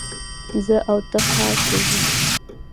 زه او ته ښار ته ځو